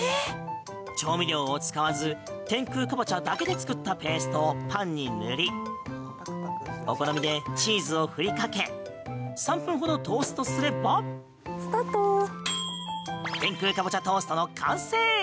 調味料を使わず天空かぼちゃだけで作ったペーストをパンに塗りお好みでチーズを振りかけ３分ほどトーストすれば天空かぼちゃトーストの完成！